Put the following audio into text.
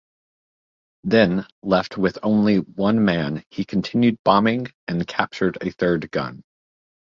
Then, left with only one man he continued bombing and captured a third gun.